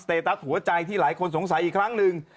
ตัสหัวใจที่หลายคนสงสัยอีกครั้งหนึ่ง